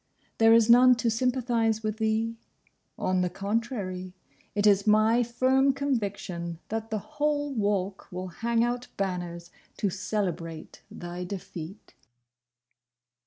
There is none to sympathise with thee. On the contrary, it is my firm conviction that the whole Walk will hang out banners to celebrate thy defeat.